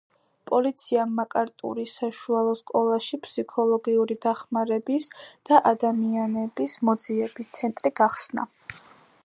პოლიციამ მაკარტურის საშუალო სკოლაში ფსიქოლოგიური დახმარების და ადამიანების მოძიების ცენტრი გახსნა.